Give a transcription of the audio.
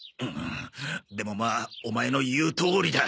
でもまあオマエの言うとおりだ。